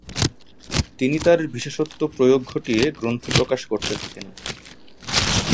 তিনি তার বিশেষত্ব প্রয়োগ ঘটিয়ে গ্রন্থ প্রকাশ করতে থাকেন।